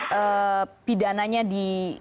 selama pindana nya di